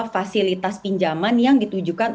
fasilitas pinjaman yang ditujukan